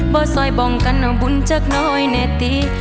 บ่สอยบ่องกันว่าบุญจักรน้อยในตี